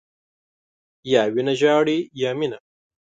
یا وینه ژاړي، یا مینه.